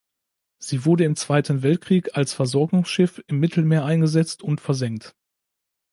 Sie wurde im Zweiten Weltkrieg als Versorgungsschiff im Mittelmeer eingesetzt und versenkt.